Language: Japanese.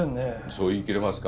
そう言い切れますか？